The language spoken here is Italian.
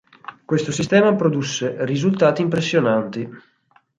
Questo sistema produsse risultati impressionanti.